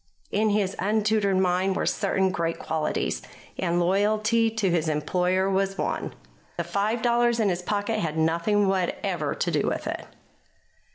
In his untutored mind were certain great qualities, and loyalty to his employer was one. The five dollars in his pocket had nothing whatever to do with it.